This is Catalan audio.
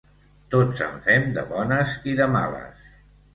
Tots en fem de bones i de males.